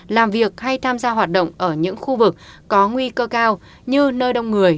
làm việc hay tham gia hoạt động ở những khu vực có nguy cơ cao như nơi đông người